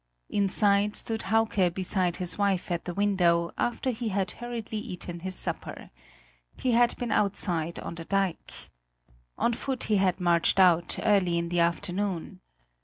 Inside stood Hauke beside his wife at the window, after he had hurriedly eaten his supper. He had been outside on the dike. On foot he had marched out, early in the afternoon.